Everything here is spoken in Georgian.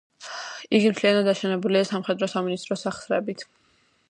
იგი მთლიანად აშენებულია სამხედრო სამინისტროს სახსრებით.